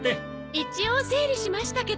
一応整理しましたけど。